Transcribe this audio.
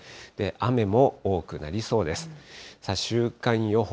雨も多くなりそうです。